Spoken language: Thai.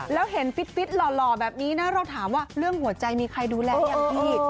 แล้วเห็นฟิตหล่อแบบนี้นะเราถามว่าเรื่องหัวใจมีใครดูแลยังพี่